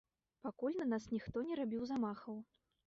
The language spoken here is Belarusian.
Пакуль на нас ніхто не рабіў замахаў.